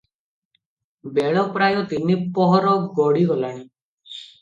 ବେଳ ପ୍ରାୟ ତିନି ପହର ଗଡ଼ିଗଲାଣି ।